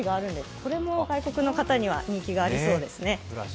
これも外国の方には人気がありそうですね。